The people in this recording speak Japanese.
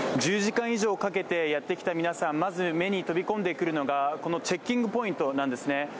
１０時間以上かけてやってきた皆さん、まず目に飛び込んでくるのがこのチェッキングポイントなんですね。